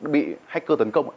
bị hacker tấn công ạ